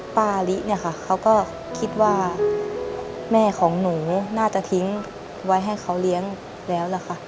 ป้าลิเนี่ยค่ะเขาก็คิดว่าแม่ของหนูน่าจะทิ้งไว้ให้เขาเลี้ยงแล้วล่ะค่ะ